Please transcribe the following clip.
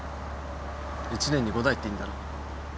１年に伍代っていんだろ？